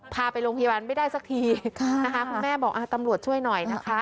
พาไปโรงพยาบาลไม่ได้สักทีนะคะคุณแม่บอกตำรวจช่วยหน่อยนะคะ